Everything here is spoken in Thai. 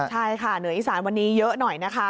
ใช่ค่ะเหนืออีสานวันนี้เยอะหน่อยนะคะ